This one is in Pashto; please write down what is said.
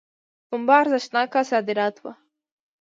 پنبه ارزښتناک صادرات وو.